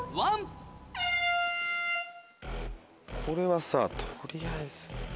これはさ取りあえず。